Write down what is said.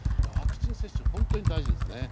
ワクチン接種は本当に大事です。